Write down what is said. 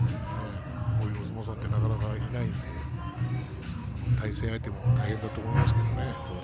こういうお相撲さんってなかなかいないんで対戦相手も大変だと思いますけれどもね。